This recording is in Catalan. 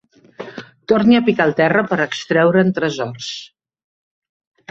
Torni a picar el terra per extreure'n tresors.